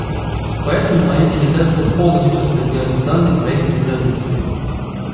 Поэтому моя делегация полностью отвергает данный проект резолюции.